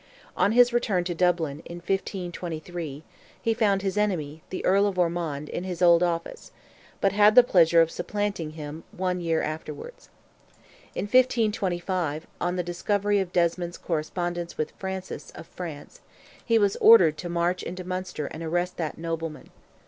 On his return to Dublin, in 1523, he found his enemy, the Earl of Ormond, in his old office, but had the pleasure of supplanting him one year afterwards. In 1525, on the discovery of Desmond's correspondence with Francis of France, he was ordered to march into Munster and arrest that nobleman.